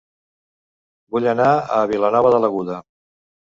Vull anar a Vilanova de l'Aguda